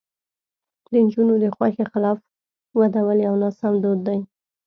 د نجونو د خوښې خلاف ودول یو ناسم دود دی.